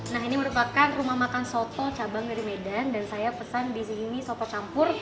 nah ini merupakan rumah makan soto cabang dari medan dan saya pesan di sini soto campur